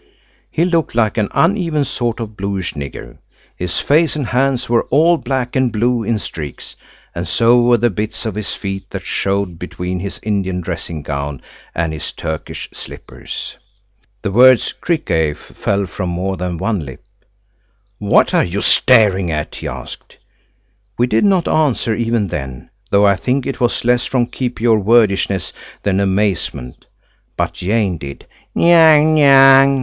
He looked like an uneven sort of bluish nigger. His face and hands were all black and blue in streaks, and so were the bits of his feet that showed between his Indian dressing gown and his Turkish slippers. "WHAT ARE YOU STARING AT?" HE ASKED. "NYANG NYANG," JANE ANSWERED TAUNTINGLY The word "Krikey" fell from more than one lip. "What are you staring at?" he asked. We did not answer even then, though I think it was less from keep your wordishness than amazement. But Jane did. "Nyang, Nyang!"